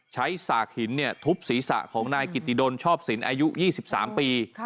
ฉากหินทุบศีรษะของนายกิติดลชอบสินอายุ๒๓ปี